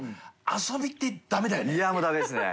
いやもうダメですね。